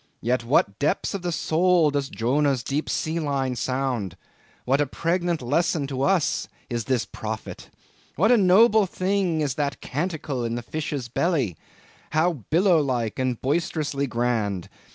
Yet what depths of the soul does Jonah's deep sealine sound! what a pregnant lesson to us is this prophet! What a noble thing is that canticle in the fish's belly! How billow like and boisterously grand!